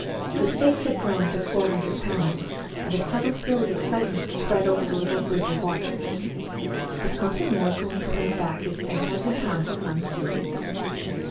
The stakes had grown to four hundred pounds, and a subtle thrill of excitement spread over the little group of watchers. Was Consinor going to win back his ten thousand pounds at one sitting?